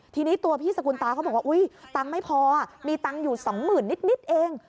ทีนี้ตัวพี่สกุลตาเขาบอกว่าอุ๊ยตังค์ไม่พอมีตังค์อยู่สองหมื่นนิดเอง